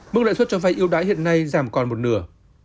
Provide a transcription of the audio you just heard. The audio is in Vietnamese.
mức lãi suất cho vay yêu đáy hiện nay giảm còn một nửa